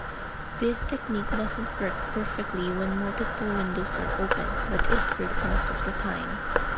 This technique doesn't work perfectly when multiple windows are open, but it works most of the time.